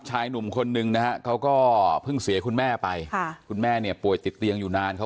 ชายหนุ่มคนหนึ่ง